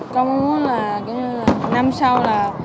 con muốn là năm sau